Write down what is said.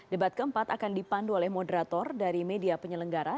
debat keempat akan dipandu oleh moderator dari media penyelenggara